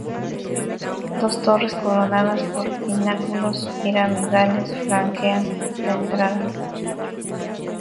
Dos torres coronadas por pináculos piramidales flanquean la entrada.